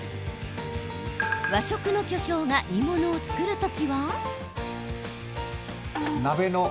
和食の巨匠が煮物を作る時は。